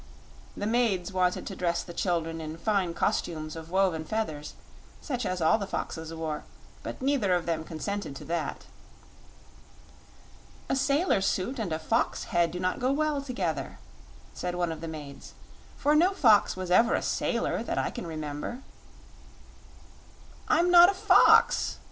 The maids wanted to dress the children in fine costumes of woven feathers, such as all the foxes wore; but neither of them consented to that. "A sailor suit and a fox head do not go well together," said one of the maids, "for no fox was ever a sailor that I can remember." "I'm not a fox!"